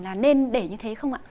là nên để như thế không ạ